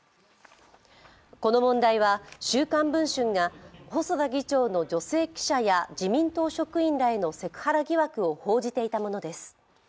この問題は、「週刊文春」が細田議長の女性記者や自民党職員らへのセクハラ疑惑を報じていたものです。